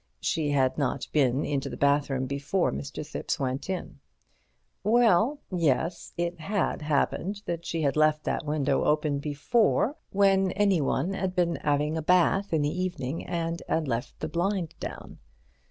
She had not been into the bathroom before Mr. Thipps went in. Well, yes, it had happened that she had left that window open before, when anyone had been 'aving a bath in the evening and 'ad left the blind down.